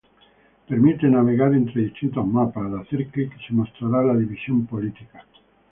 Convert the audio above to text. Permite navegar entre distintos mapas, al hacer clic se mostrara la división política.